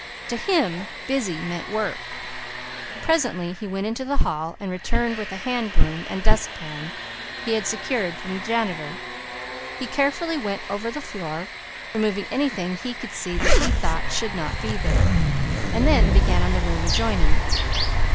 To him "busy" meant work. Presently he went into the hall and returned with a hand broom and dust pan he had secured from the janitor. He carefully went over the floor, removing anything he could see that he thought should not be there, and then began on the room adjoining.